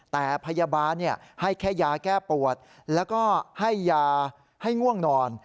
แต่พยาบาลให้แค่ยาแก้ปวดแล้วก็ให้ยาให้ง่วงนอน